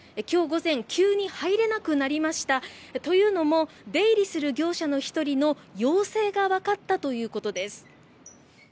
今日午前、急に入れなくなりましたというのも出入りする業者の１人の陽性がわかったということです。